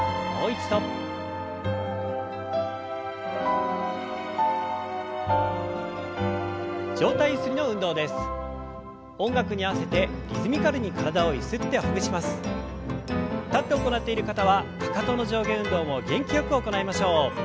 立って行っている方はかかとの上下運動も元気よく行いましょう。